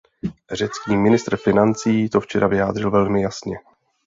Řecký ministr financí to včera vyjádřil velmi jasně.